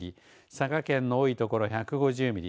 佐賀県の多いところ１５０ミリ